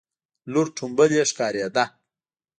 لور ټومبلی ښکارېده.